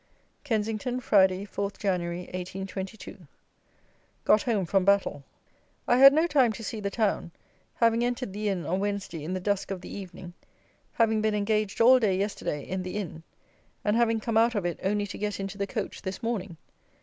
Kensington, Friday, 4 Jan. 1822. Got home from Battle. I had no time to see the town, having entered the Inn on Wednesday in the dusk of the evening, having been engaged all day yesterday in the Inn, and having come out of it only to get into the coach this morning.